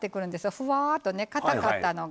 ふわーっとね、かたかったのが。